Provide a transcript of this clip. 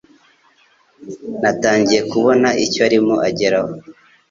Natangiye kubona icyo arimo ageraho.